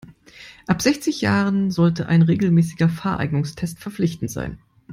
Ab sechzig Jahren sollte ein regelmäßiger Fahreignungstest verpflichtend sein.